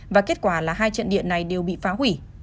và kết quả là hai trận điện này đều bị phá hủy